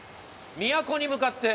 都に向かって。